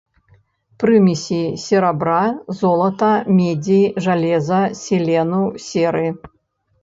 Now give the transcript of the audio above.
Прымесі серабра, золата, медзі, жалеза, селену, серы.